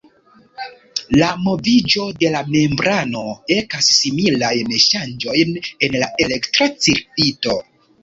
La moviĝo de la membrano ekas similajn ŝanĝojn en la elektra cirkvito.